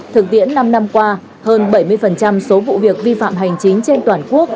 thực tiễn năm năm qua hơn bảy mươi số vụ việc vi phạm hành chính trên toàn quốc